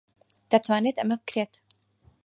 دەتوانرێت ئەمە بکرێت.